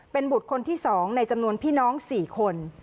เป็นบุตรคนที่๒ในจำนวนพี่น้อง๔คน